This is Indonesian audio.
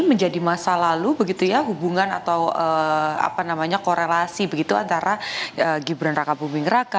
menjadi masa lalu begitu ya hubungan atau apa namanya korelasi begitu antara gibran raka buming raka